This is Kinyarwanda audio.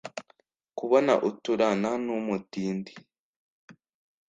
kubona uturana n’umutindi